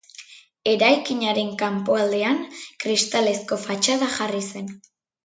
Eraikinaren kanpoaldean kristalezko fatxada jarri zen.